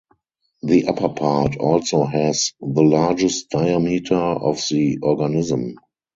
The upper part also has the largest diameter of the organism.